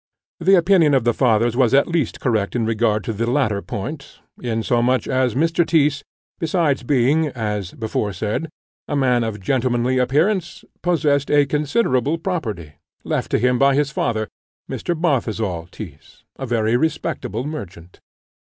The opinion of the fathers was at least correct in regard to the latter point, insomuch as Mr. Tyss, besides being, as before said, a man of gentlemanly appearance, possessed a considerable property, left to him by his father, Mr. Balthasar Tyss, a very respectable merchant.